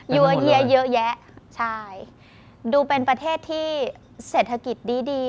ยัวเยียเยอะแยะใช่ดูเป็นประเทศที่เศรษฐกิจดีดี